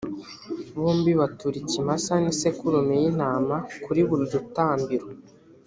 bombi batura ikimasa n’isekurume y’intama kuri buri rutambiro.